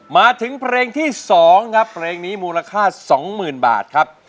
มาถึงเพลงที่สองครับเพลงนี้มูลค่าสองหมื่นบาทครับ